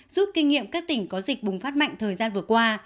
giúp kinh nghiệm các tỉnh có dịch bùng phát mạnh thời gian vừa qua